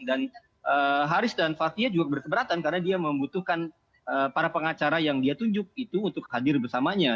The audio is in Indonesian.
dan haris dan fathia juga berkeberatan karena dia membutuhkan para pengacara yang dia tunjuk itu untuk hadir bersamanya